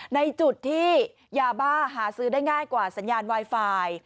ในจุดที่ยาบ้าหาซื้อได้ง่ายกว่าสัญญาณไวไฟ